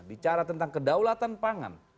bicara tentang kedaulatan pangan